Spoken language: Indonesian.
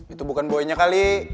itu bukan boy nya kali